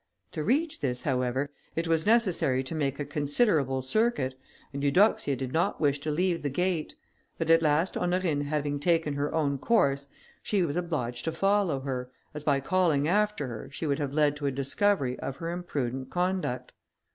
To reach this, however, it was necessary to make a considerable circuit, and Eudoxia did not wish to leave the gate; but at last Honorine having taken her own course, she was obliged to follow her, as by calling after her, she would have led to a discovery of her imprudent conduct.